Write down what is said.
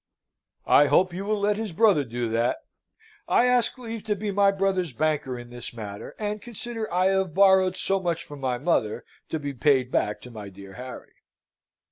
"I hope you will let his brother do that. I ask leave to be my brother's banker in this matter, and consider I have borrowed so much from my mother, to be paid back to my dear Harry."